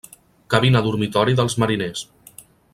Cabina dormitori dels mariners.